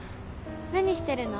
何してるの？